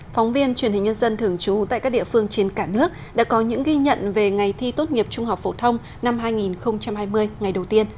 phóng viên truyền hình nhân dân thường trú tại các địa phương trên cả nước đã có những ghi nhận về ngày thi tốt nghiệp trung học phổ thông năm hai nghìn hai mươi ngày đầu tiên